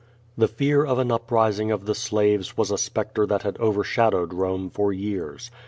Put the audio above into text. The fear of an uprising of the slaves was a spectre that had overshadowed Rome for years.